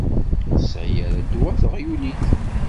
Ur tesεi ara ddwa teɣyulit.